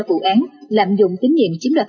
vụ án lạm dụng tín nhiệm chiếm đoạt